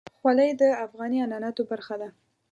خولۍ د افغاني عنعناتو برخه ده.